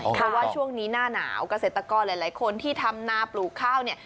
เพราะว่าช่วงนี้หน้าหนาวเกษตรกรหลายคนที่ทำนาปลูกข้าวเนี่ย